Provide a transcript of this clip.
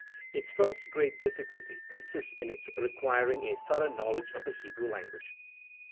Its first great difficulty consists in its requiring a thorough knowledge of the Hebrew language.